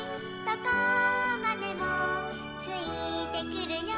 どこまでもついてくるよ」